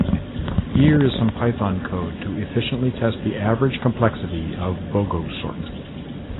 Here is some Python code to efficiently test the average complexity of Bogosort.